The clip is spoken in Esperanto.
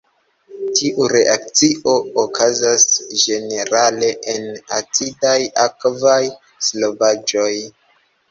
Tiu reakcio okazas ĝenerale en acidaj akvaj solvaĵoj.